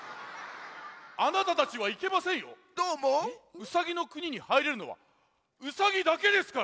ウサギのくににはいれるのはウサギだけですから。